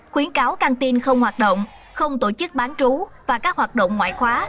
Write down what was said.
khuyến cáo canteen không hoạt động không tổ chức bán trú và các hoạt động ngoại khóa